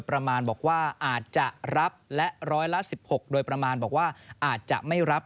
ประมาณบอกว่าอาจจะรับและร้อยละ๑๖โดยประมาณบอกว่าอาจจะไม่รับ